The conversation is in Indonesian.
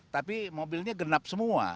tapi mobilnya genap semua